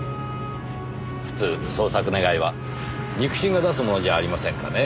普通捜索願は肉親が出すものじゃありませんかねぇ？